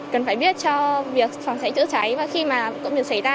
cần phải biết cho việc phòng cháy chữa cháy và khi mà có việc xảy ra